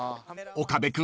［岡部君